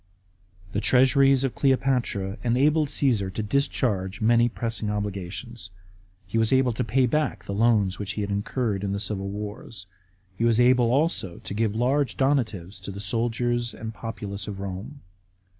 f The treasures of Cleopatra enabled Cassar to discharge many pressing obligations. He was able to pay back the loans which he had incurred in the civil wars. He was able also to give large donatives to the soldiers and the populace of Rome.